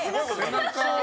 背中。